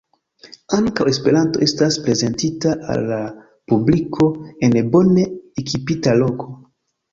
Ankaŭ Esperanto estas prezentita al la publiko en bone ekipita loko.